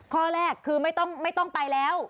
ข้อแรกคือไม่ต้องไปแล้ว